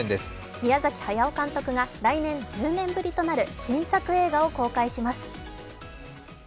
宮崎駿監督が来年１０年ぶりとなる新作映画を公開します。